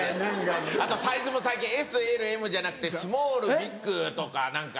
あとサイズも最近ＳＬＭじゃなくてスモールビッグとか何か。